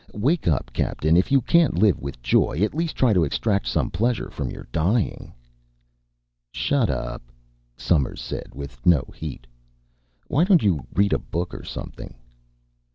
"Wake up, Captain! If you can't live with joy, at least try to extract some pleasure from your dying." "Shut up," Somers said, with no heat. "Why don't you read a book or something?"